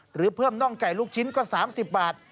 หรือเพิ่มน่องไก่ลูกชิ้นก็๓๐บาท